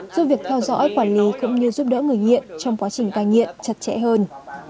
giúp việc theo dõi quản lý cũng như giúp đỡ người nghiện trong quá trình cai nghiện chặt chẽ hơn